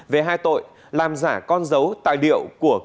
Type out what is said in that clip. về hai tội làm giả con dấu tài liệu của công an